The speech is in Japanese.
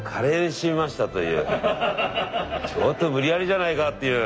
ちょっと無理やりじゃないかっていう。